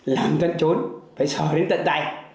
làm tận trốn phải sở đến tận đài